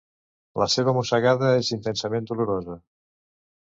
La seva mossegada és intensament dolorosa.